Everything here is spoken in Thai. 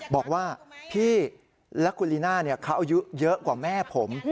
บอกว่าพี่และคุณลีน่าเขาอายุเยอะกว่าแม่ผม